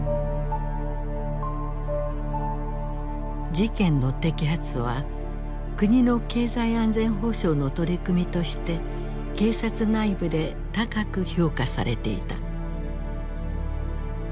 事件の摘発は国の経済安全保障の取り組みとして警察内部で高く評価されていた。